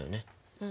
うん。